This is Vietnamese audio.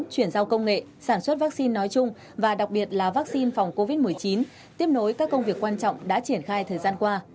chuyển giao công nghệ sản xuất vaccine nói chung và đặc biệt là vaccine phòng covid một mươi chín tiếp nối các công việc quan trọng đã triển khai thời gian qua